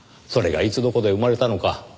それがいつどこで生まれたのか